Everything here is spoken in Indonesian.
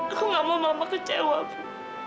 aku gak mau mama kecewa aku